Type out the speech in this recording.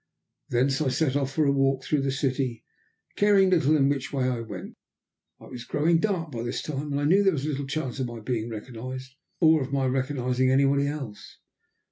Thence I set off for a walk through the city, caring little in which way I went. It was growing dark by this time, and I knew there was little chance of my being recognized, or of my recognizing any one else.